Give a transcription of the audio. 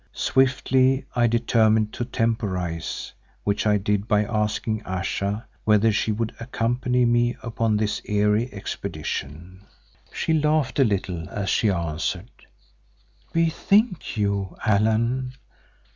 Swiftly I determined to temporise, which I did by asking Ayesha whether she would accompany me upon this eerie expedition. She laughed a little as she answered, "Bethink you, Allan.